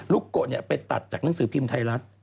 โกะไปตัดจากหนังสือพิมพ์ไทยรัฐ